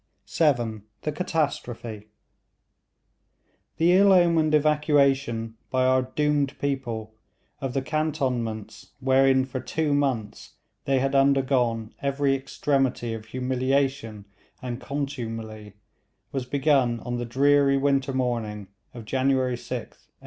CHAPTER VII: THE CATASTROPHE The ill omened evacuation by our doomed people of the cantonments wherein for two months they had undergone every extremity of humiliation and contumely, was begun on the dreary winter morning of January 6th, 1842.